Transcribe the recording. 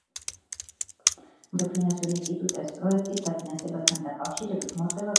მას შემდეგ რიგ საერთაშორისო ფინანსურ ინსტიტუტებს პროექტის დაფინანსებასთან დაკავშირებით მოწვევა გაეგზავნათ.